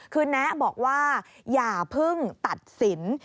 คือแนะบอกว่าอย่าเพิ่งตัดสิน